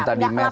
bukan di media